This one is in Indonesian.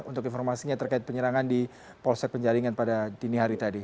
untuk informasinya terkait penyerangan di polsek penjaringan pada dini hari tadi